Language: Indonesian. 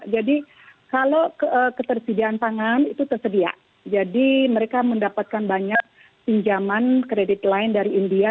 jadi kalau ketersediaan pangan itu tersedia jadi mereka mendapatkan banyak pinjaman kredit lain dari india